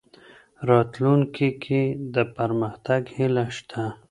راتلونکې کې د پرمختګ هیله شته.